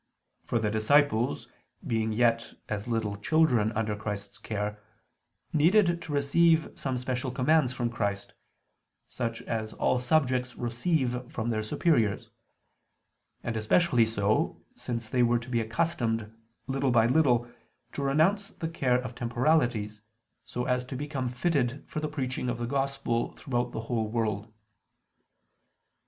For the disciples, being yet as little children under Christ's care, needed to receive some special commands from Christ, such as all subjects receive from their superiors: and especially so, since they were to be accustomed little by little to renounce the care of temporalities, so as to become fitted for the preaching of the Gospel throughout the whole world.